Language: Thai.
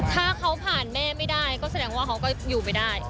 ถ้าเขาผ่านแม่ไม่ได้ก็แสดงว่าเขาก็อยู่ไม่ได้